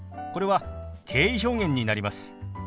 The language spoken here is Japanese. これは敬意表現になります。